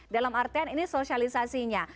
dalam artian ini sosialisasinya